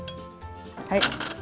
はい。